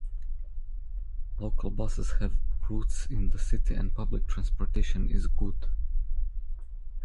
Local buses have routesin the city and public transportation is good.